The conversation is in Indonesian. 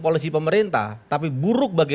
polisi pemerintah tapi buruk bagi